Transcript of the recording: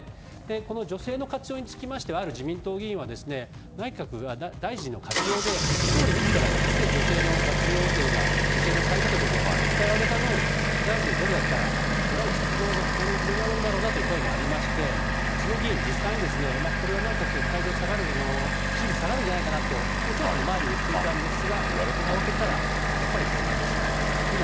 この女性の活用についてはある自民党議員は大臣の活用で総理自らが女性の活用という最多ということを期待を上げた分副大臣がゼロだったら批判が広がるんだろうなということがありましてその議員、実際にこれは内閣改造で支持が下がるんじゃないかと調査前に言っていたんですがふたを開けたらそうなってしまったという。